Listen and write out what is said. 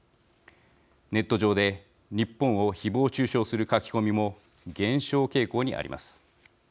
ネット上で日本をひぼう中傷する書き込みも減少傾向にあります。